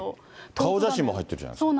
顔写真も入ってるじゃないですか。